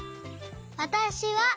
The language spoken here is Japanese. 「わたしは」